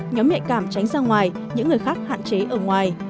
nhóm nhẹ cảm tránh ra ngoài những người khác hạn chế ở ngoài